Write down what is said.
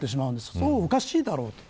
それはおかしいだろうと。